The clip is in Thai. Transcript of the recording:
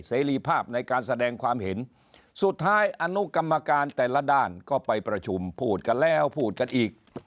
เสรีภาพในการแสดงความเห็นสุดท้ายอนุกรรมการแต่ละด้านก็ไปประชุมพูดกันแล้วพูดกันอีก